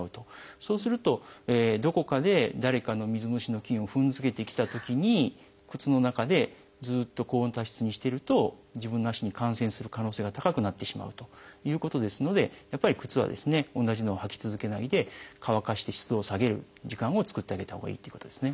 そうするとどこかで誰かの水虫の菌を踏んづけてきたときに靴の中でずっと高温多湿にしてると自分の足に感染する可能性が高くなってしまうということですのでやっぱり靴は同じのを履き続けないで乾かして湿度を下げる時間を作ってあげたほうがいいっていうことですね。